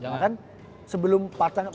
makan sebelum pasangan